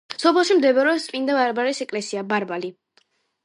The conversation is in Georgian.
სოფელში მდებარეობს წმინდა ბარბარეს ეკლესია „ბარბალი“.